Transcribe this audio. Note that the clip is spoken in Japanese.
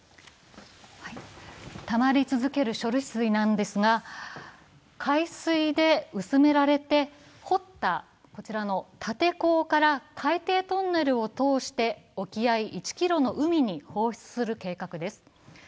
たまり続ける処理水なんですが、海水で薄められて掘ったこちらの立坑から海底トンネルを通して沖合１ｋｍの海に放出する計画です。